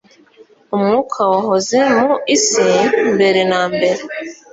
Umwuka wahoze mu isi mbere na mbere,